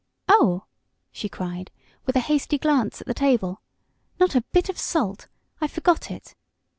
Oh!" she cried, with a hasty glance at the table. "Not a bit of salt. I forgot it.